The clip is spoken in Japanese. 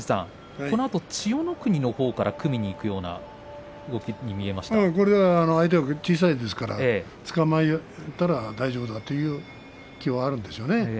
千代の国のほうから組みにいくような動きに相手が小さいですからつかまえたら大丈夫だという気はあるでしょうね。